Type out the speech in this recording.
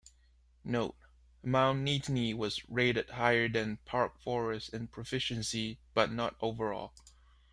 Note: Mount Nittany was rated higher than Park Forest in proficiency but not overall.